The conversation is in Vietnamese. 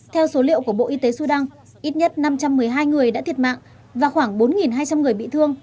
theo số liệu của bộ y tế sudan ít nhất năm trăm một mươi hai người đã thiệt mạng và khoảng bốn hai trăm linh người bị thương